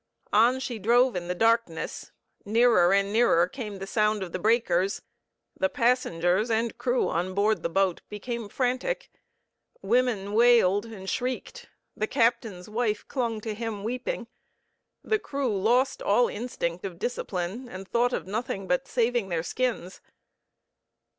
On she drove in the darkness, nearer and nearer came the sound of the breakers; the passengers and crew on board the boat became frantic. Women wailed and shrieked; the captain's wife clung to him, weeping; the crew lost all instinct of discipline, and thought of nothing but saving their skins.